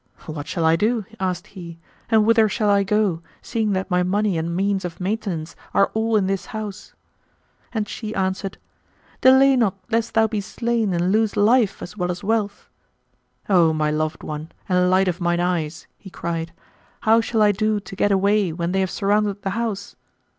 "What shall I do," asked he, "and whither shall I go, seeing that my money and means of maintenance are all in this house?"; and she answered, "Delay not lest thou be slain and lose life as well as wealth." "O my loved one and light of mine eyes!" he cried, "how shall I do to get away when they have surrounded the house?"